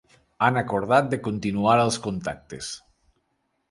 Han acordat de continuar els contactes.